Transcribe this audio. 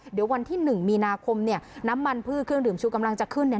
เดี๋ยววันที่๑มีนาคมเนี่ยน้ำมันพืชเครื่องดื่มชูกำลังจะขึ้นเนี่ย